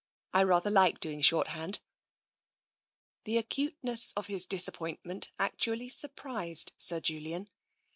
I rather like doing shorthand." The acuteness of his disappointment actually sur prised Sir Julian.